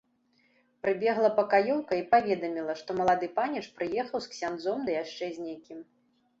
Прыбегла пакаёўка і паведаміла, што малады паніч прыехаў з ксяндзом ды яшчэ з некім.